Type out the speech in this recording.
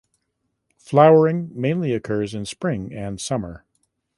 Flowering mainly occurs in spring and summer.